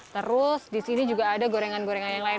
terus di sini juga ada gorengan gorengan yang lain